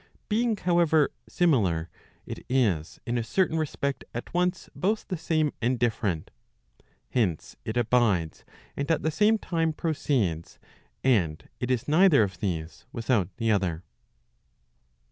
Being, however, similar, it is in a certain respect at once both the same and different. Hence, it abides, and at the same time proceeds, and it is neither of these without the other.